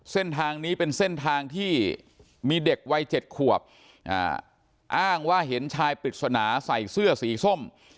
เส้นทางนี้เป็นเส้นทางที่มีเด็กวัย๗ขวบอ้างว่าเห็นชายปริศนาใส่เสื้อสีส้ม